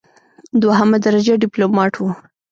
دوهمه درجه ډیپلوماټ وم.